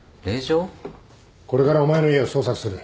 これからお前の家を捜索する。